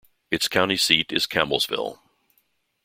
Its county seat is Campbellsville.